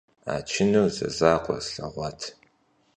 А чыныр зэзакъуэ слъэгъуат.